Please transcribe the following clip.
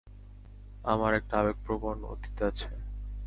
আমার একটা আবেগপ্রবণ অতীত আছে।